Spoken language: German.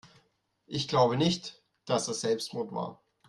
Ich glaube nicht, dass es Selbstmord war.